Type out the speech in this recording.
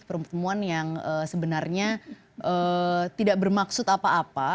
pertemuan yang sebenarnya tidak bermaksud apa apa